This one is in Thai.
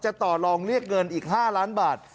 ต่อลองเรียกเงินอีก๕ล้านบาท